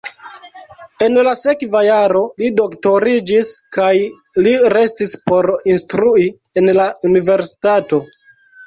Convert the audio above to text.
En la sekva jaro li doktoriĝis kaj li restis por instrui en la universitato.